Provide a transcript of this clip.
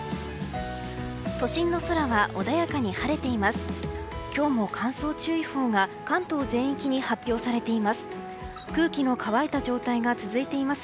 都心の空は穏やかに晴れています。